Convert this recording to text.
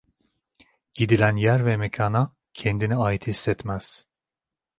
gidilen yer ve mekâna kendini ait hissetmez